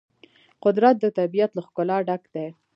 قدرت د طبیعت له ښکلا ډک دی.